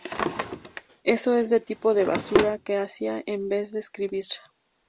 Eso es el tipo de basura que hacía en vez de escribir.